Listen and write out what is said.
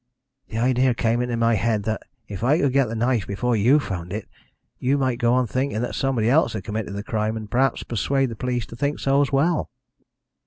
The idea came into my head that if I could get the knife before you found it, you might go on thinking that somebody else had committed the crime, and perhaps persuade the police to think so as well.